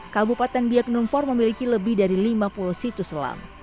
kabupaten biak numfor memiliki lebih dari lima puluh situs selam